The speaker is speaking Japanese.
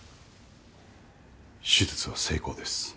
手術は成功です。